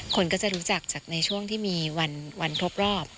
คนก็จะรู้จักจากในช่วงที่มีวันครบรอบ